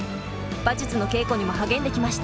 馬術の稽古にも励んできました。